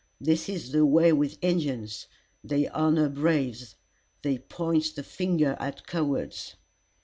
This is the way with Injins. They honor braves; they point the finger at cowards."